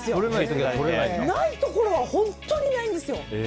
ない時は本当にないんですよ。